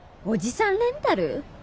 おじさんレンタル？